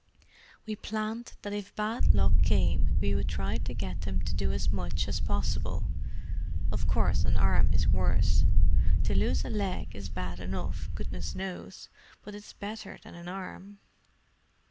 "We planned that if bad luck came we would try to get them to do as much as possible. Of course an arm is worse: to lose a leg is bad enough, goodness knows—but it's better than an arm."